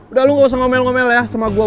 udah lu gak usah ngomel ngomel ya sama gue